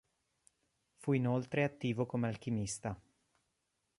Fu inoltre attivo come alchimista.